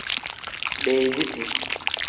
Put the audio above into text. Beediti.